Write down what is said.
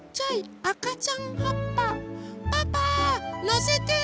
パパのせて！